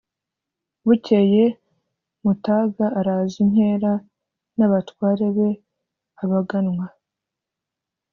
bukeye mutaga araza inkera n'abatware be (abaganwa);